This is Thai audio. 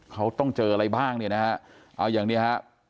เขาต้องเจออะไรบ้างเนี่ยนะฮะเอาอย่างนี้ฮะ